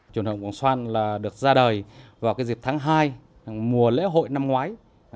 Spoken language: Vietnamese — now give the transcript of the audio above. truyền động vòng xoan được ra đời vào dịp tháng hai mùa lễ hội năm ngoái